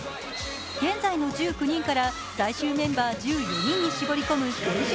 現在の１９人から最終メンバー１４人に絞り込む選手